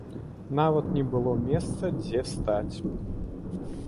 Нават не было месца дзе стаць.